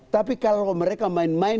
tapi kalau mereka main main